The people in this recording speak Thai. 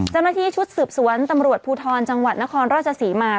เจ้าหน้าที่ชุดสืบสวนตำรวจภูทรจังหวัดนครราชศรีมา